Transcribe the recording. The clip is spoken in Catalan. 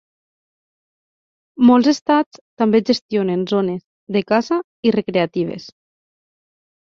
Molts estats també gestionen zones de caça i recreatives.